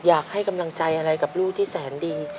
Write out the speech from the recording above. อยากให้กำลังใจอะไรกับลูกที่แสนดี